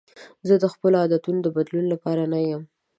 زه د خپلو عادتونو بدلولو لپاره نه یم.